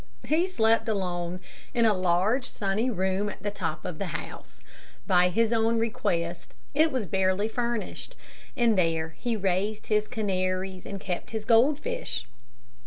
He slept alone in a large, sunny room at the top of the house. By his own request, it was barely furnished, and there he raised his canaries and kept his goldfish.